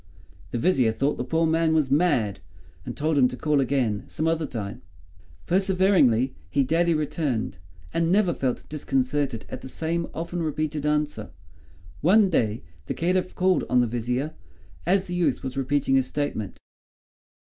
The Vizier thought the poor man was mad, and told him to call again some other time. Perseveringly he daily returned, and never felt disconcerted at the same often repeated answer. One day, the Caliph called on the Vizier, as the youth was repeating his statement.